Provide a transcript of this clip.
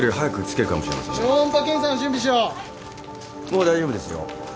もう大丈夫ですよ。